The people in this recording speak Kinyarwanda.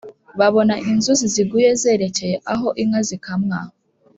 babona inzuzi ziguye zerekeye aho inka zikamwa